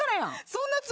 そんなぁ。